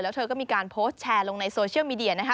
แล้วเธอก็มีการโพสต์แชร์ลงในโซเชียลมีเดียนะคะ